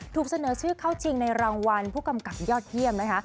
ถูกเสนอชื่อเข้าชิงในรางวัลผู้กำกับยอดเยี่ยมนะคะ